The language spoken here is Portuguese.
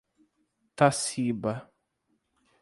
Taciba